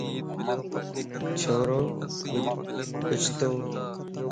ڇورو ٻڃتو